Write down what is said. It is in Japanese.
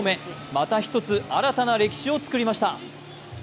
また１つ新たな歴史を作りました。